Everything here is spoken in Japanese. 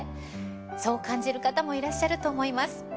そう感じる方もいらっしゃると思います。